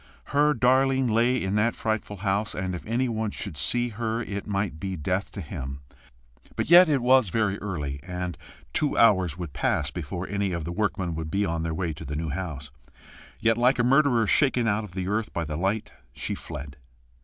Her darling lay in that frightful house, and if anyone should see her, it might be death to him. But yet it was very early, and two hours would pass before any of the workmen would be on their way to the new house. Yet, like a murderer shaken out of the earth by the light, she fled.